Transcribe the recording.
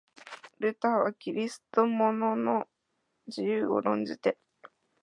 ルターはキリスト者の自由を論じて、